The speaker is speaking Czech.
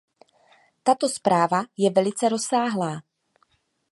Tato zpráva je velice rozsáhlá.